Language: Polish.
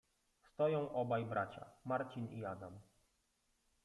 Stoją obaj bracia: Marcin i Adam.